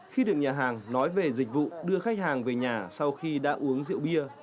khi được nhà hàng nói về dịch vụ đưa khách hàng về nhà sau khi đã uống rượu bia